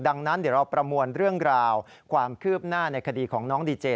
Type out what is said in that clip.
ดังนั้นเดี๋ยวเราประมวลเรื่องราวความคืบหน้าในคดีของน้องดีเจ